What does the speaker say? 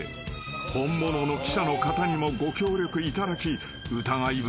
［本物の記者の方にもご協力いただき疑い深い竹山対策は万全］